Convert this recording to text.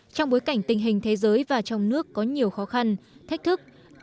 trong bối cảnh tình hình thế giới và trong nước có nhiều khó khăn thách thức